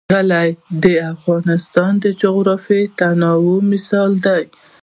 کلي د افغانستان د جغرافیوي تنوع مثال دی.